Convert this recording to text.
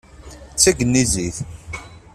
D tagnizit.